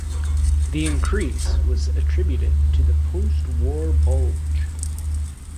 The increase was attributed to the "post-war bulge".